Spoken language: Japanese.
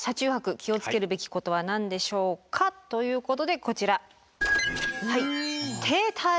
気を付けるべきことは何でしょうかということでこちら。